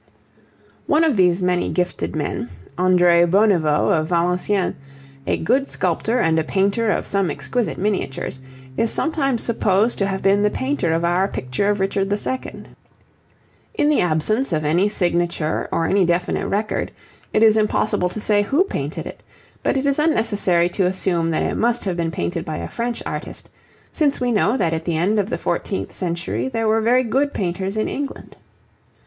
One of these many gifted men, Andre Beauneveu of Valenciennes, a good sculptor and a painter of some exquisite miniatures, is sometimes supposed to have been the painter of our picture of Richard II. In the absence of any signature or any definite record it is impossible to say who painted it, but it is unnecessary to assume that it must have been painted by a French artist, since we know that at the end of the fourteenth century there were very good painters in England.